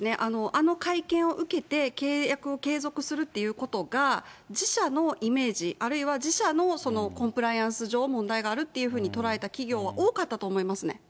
あの会見を受けて、契約継続するということが自社のイメージ、あるいは自社のコンプライアンス上、問題があるっていうふうに捉えた企業は多かったと思いますね。